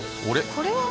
これは。